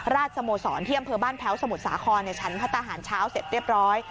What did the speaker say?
สโมสรที่อำเภอบ้านแพ้วสมุทรสาครในชั้นพัฒนาหารเช้าเสร็จเรียบร้อย